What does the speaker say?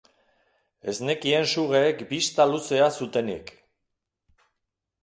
Ez nekien sugeek bista luzea zutenik.